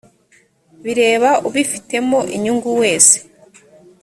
bireba ubifitemo inyungu wese